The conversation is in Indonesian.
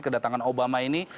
kedatangan obama ini